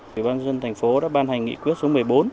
ủy ban dân thành phố đã ban hành nghị quyết số một mươi bốn